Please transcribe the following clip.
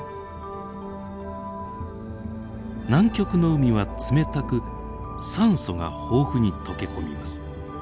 南極の海は冷たく酸素が豊富に溶け込みます。